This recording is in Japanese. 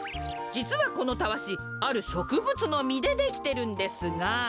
じつはこのタワシあるしょくぶつのみでできてるんですが。